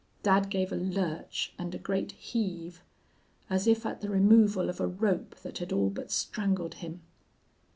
Dad gave a lurch, and a great heave, as if at the removal of a rope that had all but strangled him.